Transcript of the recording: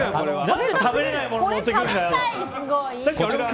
何で食べれないものを持ってくるんだよ。